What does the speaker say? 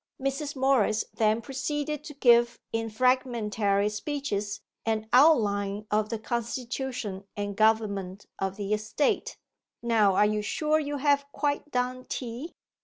Mrs. Morris then proceeded to give in fragmentary speeches an outline of the constitution and government of the estate. 'Now, are you sure you have quite done tea?